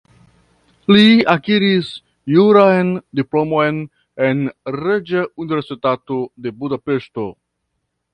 Li akiris juran diplomon en Reĝa Universitato de Budapeŝto.